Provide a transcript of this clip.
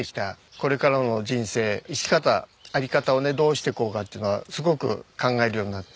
これからの人生生き方在り方をねどうしていこうかっていうのをすごく考えるようになって。